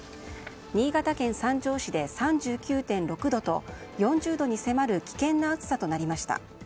新潟県三条市で３９．６度と４０度に迫る危険な暑さとなりました。